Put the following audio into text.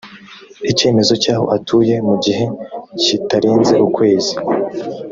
icyemezo cy’aho atuye mu gihe kitarenze ukwezi